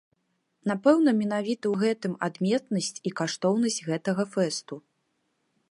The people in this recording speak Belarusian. Напэўна менавіта ў гэтым адметнасць і каштоўнасць гэтага фэсту.